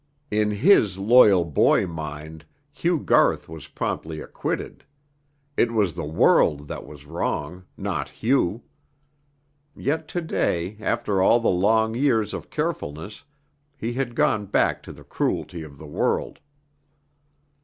In his loyal boy mind Hugh Garth was promptly acquitted. It was the world that was wrong not Hugh. Yet to day, after all the long years of carefulness, he had gone back to the cruelty of the world.